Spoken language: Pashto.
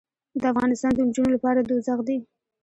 دافغانستان د نجونو لپاره دوزخ دې